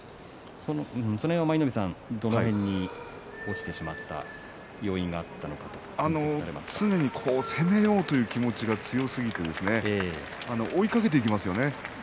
舞の海さんは、どの辺に落ちてしまった要因があったと常に攻めようという気持ちが強すぎて追いかけていきますよね。